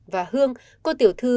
và hương cô tiểu thư